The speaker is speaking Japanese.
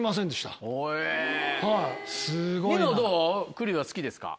栗は好きですか？